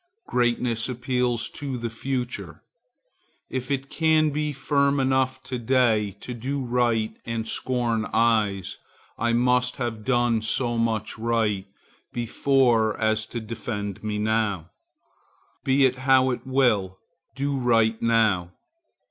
Greatness appeals to the future. If I can be firm enough to day to do right and scorn eyes, I must have done so much right before as to defend me now. Be it how it will, do right now.